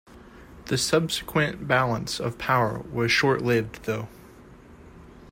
The subsequent balance of power was short-lived, though.